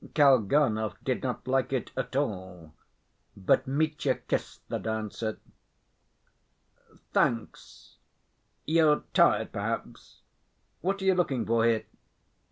Kalganov did not like it at all, but Mitya kissed the dancer. "Thanks. You're tired perhaps? What are you looking for here?